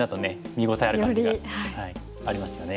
見応えある感じがありますよね。